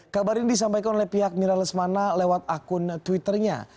kabar ini disampaikan oleh pihak miralismana lewat akun twitternya